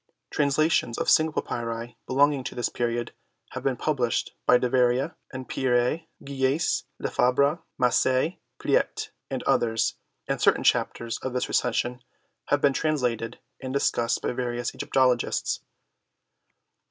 Translations of single papyri belonging to this period have been published by Deveria and Pierret, Guieyesse, Lefebure, Massey, Pleyte, and others, and certain Chapters of this Recension have been translated and discussed by various Egypto logists.